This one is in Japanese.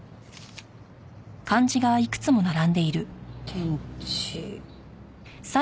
「天地」。